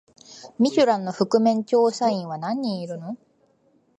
ミシュランの覆面調査員は何人いるの？